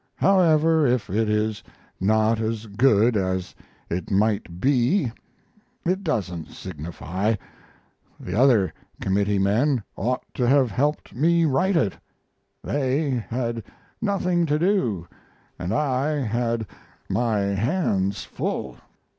However, if it is not as good as it might be it doesn't signify the other committeemen ought to have helped me write it; they had nothing to do, and I had my hands full.